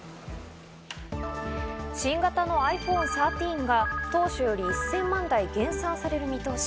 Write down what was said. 新型のｉＰｈｏｎｅ１３が当初より１０００万台減産される見通し。